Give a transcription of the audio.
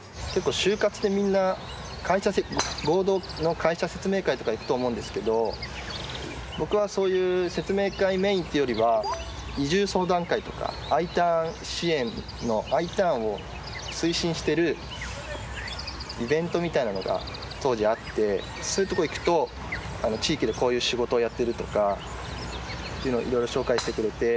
就活でみんな合同の会社説明会とか行くと思うんですけど僕はそういう説明会メインっていうよりは移住相談会とかＩターン支援のＩターンを推進してるイベントみたいなのが当時あってそういうとこ行くと地域でこういう仕事をやってるとかっていうのをいろいろ紹介してくれて。